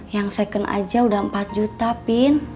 yang second aja udah empat juta pin